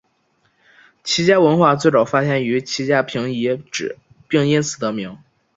齐家文化最早发现于齐家坪遗址并因此得名。